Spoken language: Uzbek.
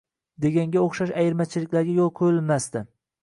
— deganga o'xshash ayirmachiliklarga yo'l qo'yilmasdi.